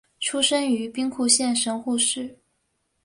出身于兵库县神户市。